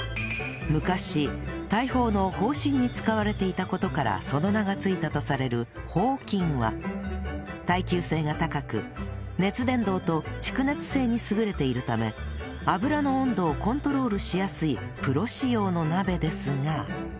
昔大砲の砲身に使われていた事からその名が付いたとされる砲金は耐久性が高く熱伝導と蓄熱性に優れているため油の温度をコントロールしやすいプロ仕様の鍋ですが